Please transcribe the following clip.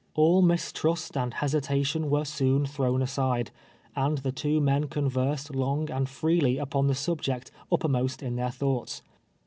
All mis trust and hesitation were soon thrown aside, and the two men conversed long and freely upon the subject uppermost in their thoughts.